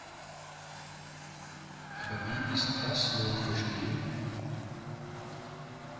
Aber wie ist das nun verstehen?